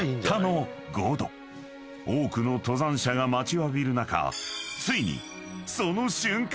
［多くの登山者が待ちわびる中］